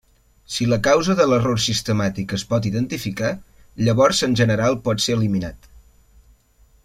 Si la causa de l'error sistemàtic es pot identificar, llavors en general pot ser eliminat.